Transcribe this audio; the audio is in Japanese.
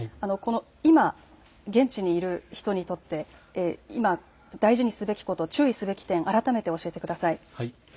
今、現地にいる人にとって今、大事にすべきこと、注意すべき点、改めて教えてください。